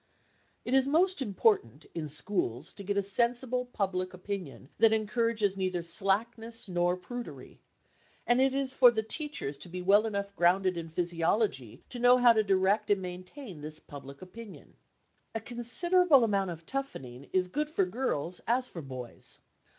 It is most important in schools to get a sensible public opinion that encourages neither slackness nor prudery, and it is for the teachers to be well enough grounded in physiology to know how to direct and maintain this public opinion. A considerable amount of toughening is good for girls as for boys.